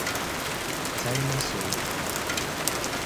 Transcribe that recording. Talima soya.